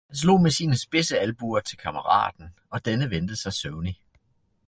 han slog med sine spidse albuer til kammeraten, og denne vendte sig søvnig.